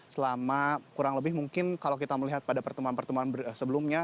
selama kurang lebih mungkin kalau kita melihat pada pertemuan pertemuan sebelumnya